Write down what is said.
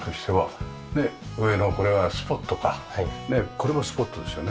これもスポットですよね。